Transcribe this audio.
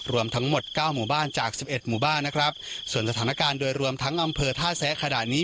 รวมทั้งหมดเก้าหมู่บ้านจากสิบเอ็ดหมู่บ้านนะครับส่วนสถานการณ์โดยรวมทั้งอำเภอท่าแซะขนาดนี้